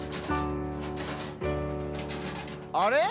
あれ？